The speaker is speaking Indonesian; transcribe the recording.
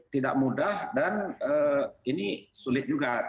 tidak mudah dan ini sulit juga